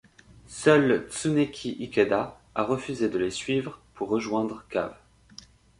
Seul Tsuneki Ikeda a refusé de les suivre pour rejoindre Cave.